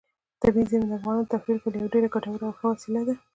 طبیعي زیرمې د افغانانو د تفریح لپاره یوه ډېره ګټوره او ښه وسیله ده.